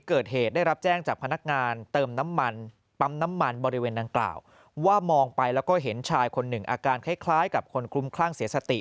ก็มองไปแล้วก็เห็นชายคนหนึ่งอาการคล้ายกับคนกลุ้มคลั่งเสียสติ